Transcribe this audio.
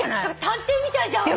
探偵みたいじゃん！